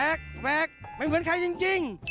แม็กแม็กไม่เหมือนใครจริง